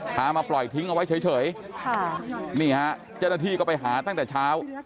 มาปล่อยทิ้งเอาไว้เฉยค่ะนี่ฮะเจ้าหน้าที่ก็ไปหาตั้งแต่เช้า